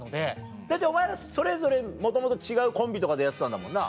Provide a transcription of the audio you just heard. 大体お前らそれぞれもともと違うコンビとかでやってたんだもんな。